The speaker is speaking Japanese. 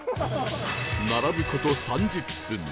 並ぶ事３０分